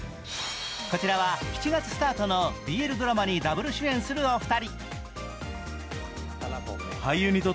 こちらは７月スタートのＢＬドラマＷ主演するお二人。